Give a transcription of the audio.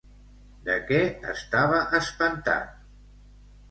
De què estava espantat?